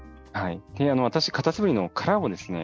あの私カタツムリの殻をですね